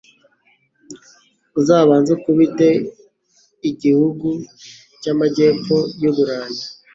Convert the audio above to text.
uzabanze ukubite iki gihugu cyamajyepfo yuburayi